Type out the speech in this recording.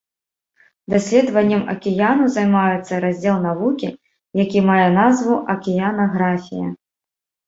Даследаваннем акіянаў займаецца раздзел навукі, які мае назву акіянаграфія.